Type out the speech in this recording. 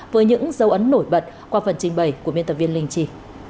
với những dấu ấn nổi bật qua phần trình bày của biên tập viên linh chi